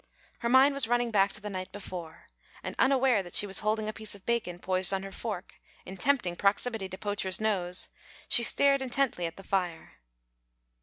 Her mind was running back to the night before, and, unaware that she was holding a piece of bacon poised on her fork in tempting proximity to Poacher's nose, she stared intently at the fire.